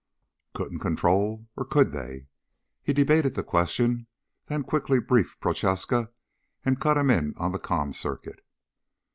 Couldn't control? Or could they? He debated the question, then quickly briefed Prochaska and cut him in on the com circuit.